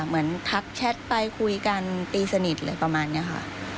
เหมือนทักแชทไปคุยกันตีสนิทอะไรประมาณนี้ค่ะ